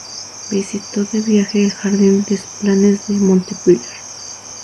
Visitó de viaje el Jardin des Plantes de Montpellier.